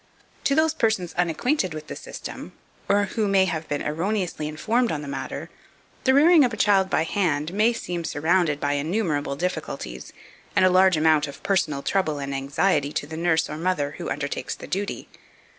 2498. To those persons unacquainted with the system, or who may have been erroneously informed on the matter, the rearing of a child by hand may seem surrounded by innumerable difficulties, and a large amount of personal trouble and anxiety to the nurse or mother who undertakes the duty.